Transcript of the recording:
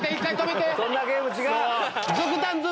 そんなゲーム違う！